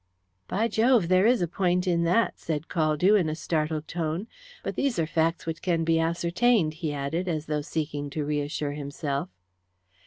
"By Jove, there is a point in that," said Caldew, in a startled tone. "But these are facts which can be ascertained," he added, as though seeking to reassure himself.